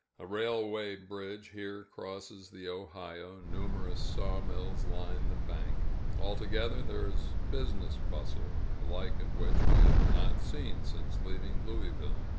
A railway bridge here crosses the Ohio, numerous sawmills line the bank; altogether, there is business bustle, the like of which we have not seen since leaving Louisville.